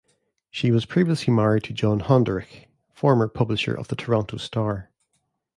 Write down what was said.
She was previously married to John Honderich, former publisher of the "Toronto Star".